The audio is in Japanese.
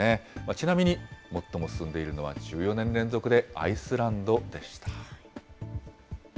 ちなみに、最も進んでいるのは１４年連続でアイスランドでした。